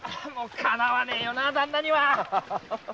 かなわねえよな旦那には。